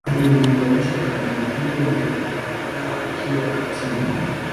aliliunganisha kabila hilo miaka kafdhaa akiwa katibu